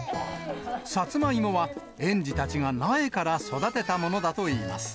サツマイモは園児たちが苗から育てたものだといいます。